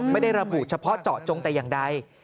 ไม่ได้ระบุเฉพาะเจาะจงแต่อย่างใด